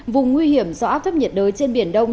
vùng nguy hiểm do áp thấp nhiệt đới trên biển đông